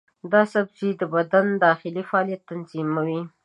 دا سبزی د بدن داخلي فعالیتونه تنظیموي.